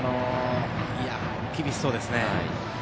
厳しそうですね。